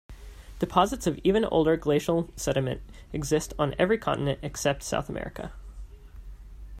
Deposits of even older glacial sediment exist on every continent except South America.